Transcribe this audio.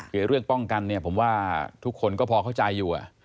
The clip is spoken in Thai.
คือเรื่องป้องกันเนี่ยผมว่าทุกคนก็พอเข้าใจอยู่